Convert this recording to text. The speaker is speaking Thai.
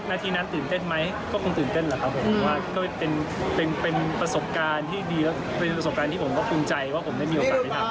ที่นั้นตื่นเต้นไหมก็คงตื่นเต้นแหละครับผมเพราะว่าก็เป็นประสบการณ์ที่ดีและเป็นประสบการณ์ที่ผมก็ภูมิใจว่าผมได้มีโอกาสได้ทำ